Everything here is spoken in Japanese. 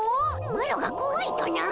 マロがこわいとな？